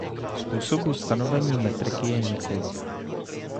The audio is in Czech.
Způsobů stanovení metriky je několik.